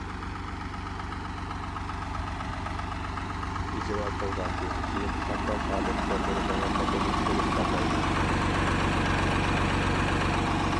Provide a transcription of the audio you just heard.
ئىجرا قىلغاندىن كېيىن قانداق ھالەتتە بولىدىغانلىقىنى كۆرۈپ باقايلى!